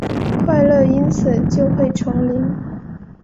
快乐因此就会重临？